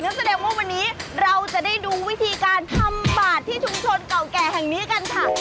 แสดงว่าวันนี้เราจะได้ดูวิธีการทำบาทที่ชุมชนเก่าแก่แห่งนี้กันค่ะ